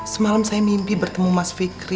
semalam saya mimpi bertemu mas fikri